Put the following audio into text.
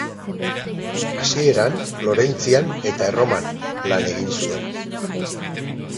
Hasieran, Florentzian eta Erroman lan egin zuen.